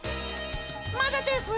まだです！